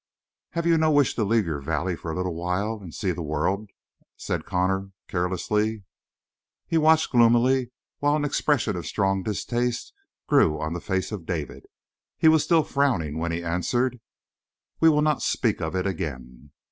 "Have you no wish to leave your valley for a little while and see the world?" said Connor, carelessly. He watched gloomily, while an expression of strong distaste grew on the face of David. He was still frowning when he answered: "We will not speak of it again."